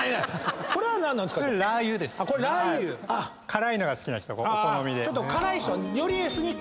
辛いのが好きな人お好みで。